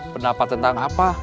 pendapat tentang apa